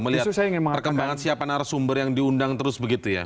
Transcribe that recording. melihat perkembangan siapan aras sumber yang diundang terus begitu ya